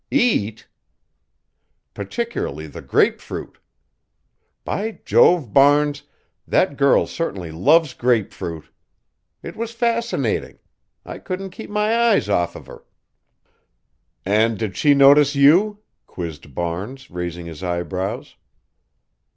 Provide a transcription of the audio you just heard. "Eat?" "Particularly the grapefruit. By Jove, Barnes, that girl certainly loves grapefruit! It was fascinating. I couldn't keep my eyes off of her." "And did she notice you?" quizzed Barnes, raising his eyebrows.